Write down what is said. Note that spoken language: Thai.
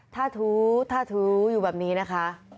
ทาถูอยู่แบบนี้นะคะ